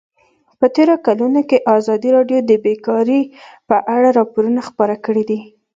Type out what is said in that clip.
په تېرو کلونو کې ازادي راډیو د بیکاري په اړه راپورونه خپاره کړي دي.